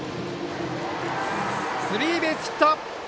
スリーベースヒット！